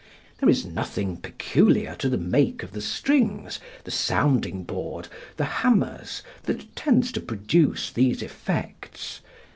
There is nothing peculiar to the make of the strings, the sounding board, the hammers, that tends to produce these effects.